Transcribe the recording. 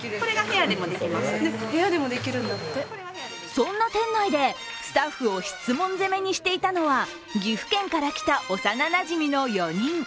そんな店内でスタッフを質問攻めにしていたのは、岐阜県から来た幼なじみの４人。